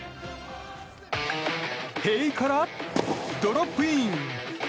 塀からドロップイン。